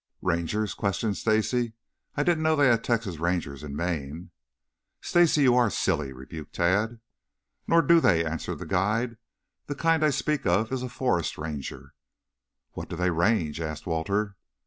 "Rangers?" questioned Stacy. "I didn't know they had Texas Rangers in Maine." "Stacy, you are silly," rebuked Tad. "Nor do they," answered the guide. "The kind I speak of is a forest ranger." "What do they range?" asked Walter.